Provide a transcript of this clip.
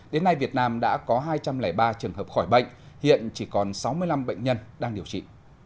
đến nay việt nam đã có hai trăm linh ba trường hợp khỏi bệnh hiện chỉ còn sáu mươi năm bệnh nhân đang điều trị